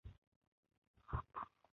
Gapirishga harakat qildi u